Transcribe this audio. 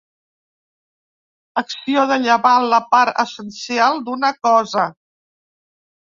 Acció de llevar la part essencial d'una cosa.